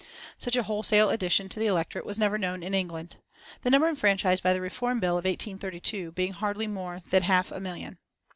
Such a wholesale addition to the electorate was never known in England; the number enfranchised by the Reform Bill of 1832 being hardly more than half a million.